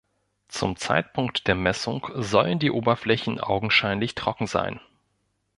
Zum Zeitpunkt der Messung sollen die Oberflächen augenscheinlich trocken sein.